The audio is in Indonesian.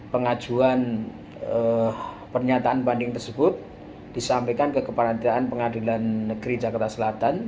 pengajuan pernyataan banding tersebut disampaikan ke kepanitiaan pengadilan negeri jakarta selatan